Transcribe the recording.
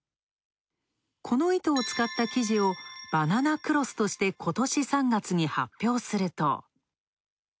この糸を使った生地をバナナクロスとして、ことし３月に発表すると。